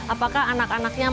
apakah anak anaknya mengunggah